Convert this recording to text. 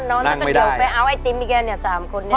นอนแล้วก็เดี๋ยวไปเอาไอติมอีกแกเนี่ย๓คนนี้